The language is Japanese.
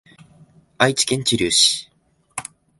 愛知県知立市